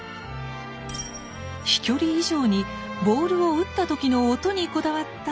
飛距離以上にボールを打った時の音にこだわったゴルフクラブ。